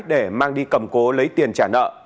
để mang đi cầm cố lấy tiền trả nợ